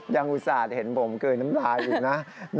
ยังอุตสาหรับเห็นผมเกลือน้ำลายอยู่นะ